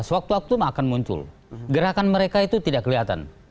sewaktu waktu akan muncul gerakan mereka itu tidak kelihatan